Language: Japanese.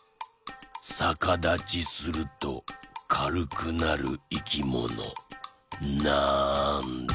さかだちするとかるくなるいきものなんだ？